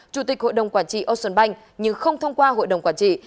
chủ tịch hội đồng quản trị ocean bank nhưng không thông qua hội đồng quản trị